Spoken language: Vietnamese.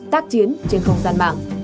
tác chiến trên không gian mạng